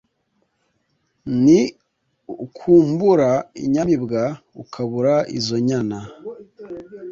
Ni ukumbura inyamibwa Ukabura izo nyana